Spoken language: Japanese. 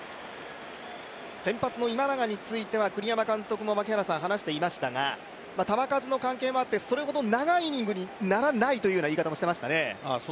先発の今永については、栗山監督も話していましたが、球数の関係もあってそれほど長いイニングにならないという言い方もしていましたね。